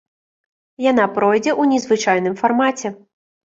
Яна пройдзе ў незвычайным фармаце.